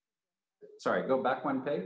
maaf saya akan kembali satu pagi